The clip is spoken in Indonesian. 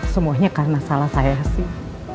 semuanya karena salah saya sih